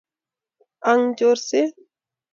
Aeng', chorset.